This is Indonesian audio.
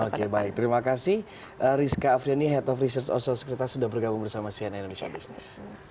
oke baik terima kasih rizka afriani head of research oso securitas sudah bergabung bersama sian indonesia business